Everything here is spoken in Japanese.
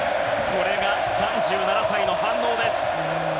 これが３７歳の反応です。